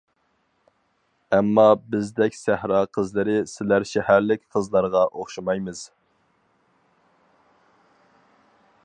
ئەمما بىزدەك سەھرا قىزلىرى، سىلەر شەھەرلىك قىزلارغا ئوخشىمايمىز.